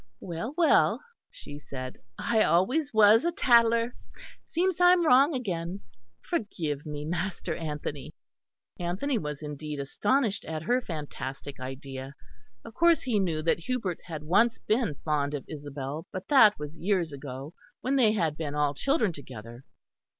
"Well, well," she said, "I always was a tattler. It seems I am wrong again. Forgive me, Master Anthony." Anthony was indeed astonished at her fantastic idea. Of course he knew that Hubert had once been fond of Isabel, but that was years ago, when they had been all children together.